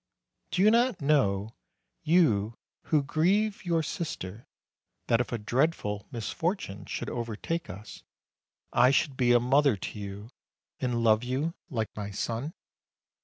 Do you not know, you who grieve your sister, that if a dreadful misfortune should overtake us, I should be a mother to you and love you like my son?